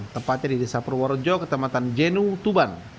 tepatnya di desa purworejo ketematan jenu tuban